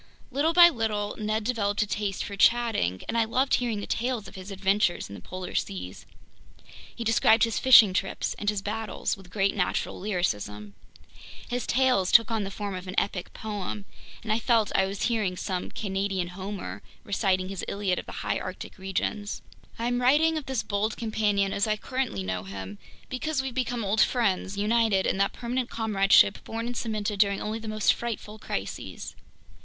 Little by little Ned developed a taste for chatting, and I loved hearing the tales of his adventures in the polar seas. He described his fishing trips and his battles with great natural lyricism. His tales took on the form of an epic poem, and I felt I was hearing some Canadian Homer reciting his Iliad of the High Arctic regions. I'm writing of this bold companion as I currently know him. Because we've become old friends, united in that permanent comradeship born and cemented during only the most frightful crises!